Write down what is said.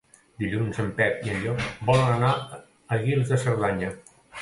Dilluns en Pep i en Llop volen anar a Guils de Cerdanya.